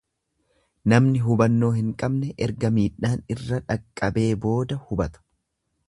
Namni hubannoo hin qabne erga miidhaan irra dhaqqabee booda hubata.